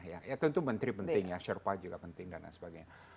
ya tentu menteri penting ya survive juga penting dan lain sebagainya